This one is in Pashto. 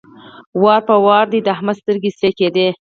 وار په وار د احمد سترګې سرې کېدې.